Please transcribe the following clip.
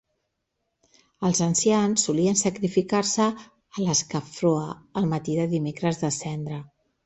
Els ancians solien sacrificar-se a l'Askafroa el matí del Dimecres de Cendra.